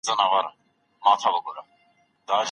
د ساعت نه شتون د وخت مانا بدله کړې وه.